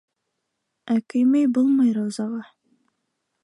Ә көймәй булмай Раузаға.